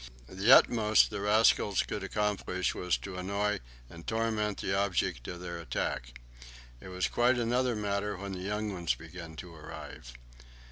The utmost the rascals could accomplish was to annoy and torment the object of their attack. It was quite another matter when the young ones began to arrive.